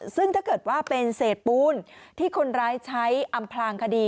ซึ่งถ้าเกิดว่าเป็นเศษปูนที่คนร้ายใช้อำพลางคดี